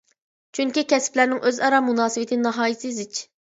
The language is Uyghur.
چۈنكى كەسىپلەرنىڭ ئۆز ئارا مۇناسىۋىتى ناھايىتى زىچ.